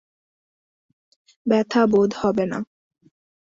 ব্যথা বোধ হবে না।